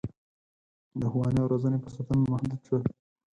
د ښوونې او روزنې فرصتونه محدود شول.